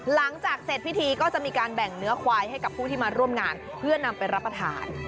หลังจากเสร็จพิธีก็จะมีการแบ่งเนื้อควายให้กับผู้ที่มาร่วมงานเพื่อนำไปรับประทาน